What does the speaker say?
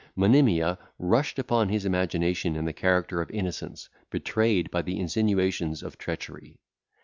Monimia rushed upon his imagination in the character of innocence betrayed by the insinuations of treachery.